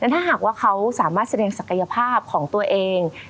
ถ้าหากว่าเขาสามารถแสดงศักยภาพของตัวเอง